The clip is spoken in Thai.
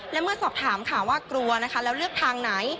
และเมื่อสอบถามค่ะว่ากลัวนะคะแล้วเลือกทางไหน